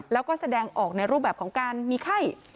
แล้วก็แสดงออกในรูปแบบของการมีไข้